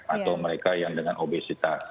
atau mereka yang dengan obesitas